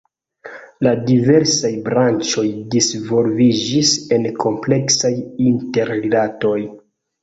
La diversaj branĉoj disvolviĝis en kompleksaj interrilatoj.